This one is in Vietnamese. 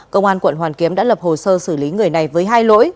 công an quận hoàn kiếm đã lập hồ sơ xử lý người này với hai lỗi